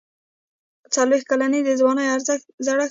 څلوېښت کلني د ځوانۍ زړښت دی.